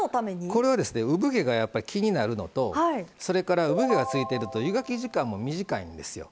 これはうぶ毛が気になるのとそれからうぶ毛がついてると湯がき時間も短いんですよ。